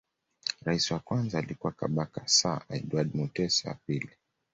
Rais wa kwanza alikuwa Kabaka Sir Edward Mutesa wa pili